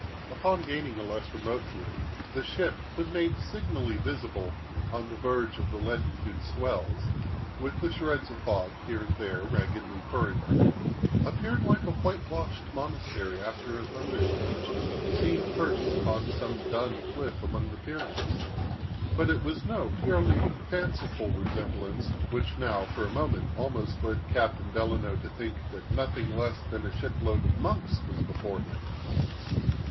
Upon gaining a less remote view, the ship, when made signally visible on the verge of the leaden hued swells, with the shreds of fog here and there raggedly furring her, appeared like a white washed monastery after a thunder storm, seen perched upon some dun cliff among the Pyrenees. But it was no purely fanciful resemblance which now, for a moment, almost led Captain Delano to think that nothing less than a ship load of monks was before him.